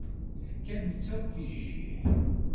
Tefkam-tt akk i jjiḥ.